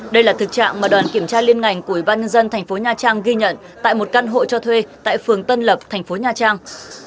đây là thực trạng mà đoàn kiểm tra liên ngành của bà nhân dân tp nha trang ghi nhận tại một căn hộ cho thuê tại phường tân lập tp nha trang